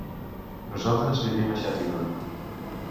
Nosaltres vivim a Xàtiva.